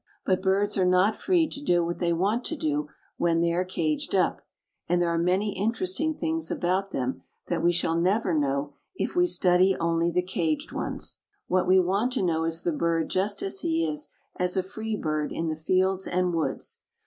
But birds are not free to do what they want to do when they are caged up, and there are many interesting things about them that we shall never know if we study only the caged ones. What we want to know is the bird just as he is as a free bird in the fields and woods.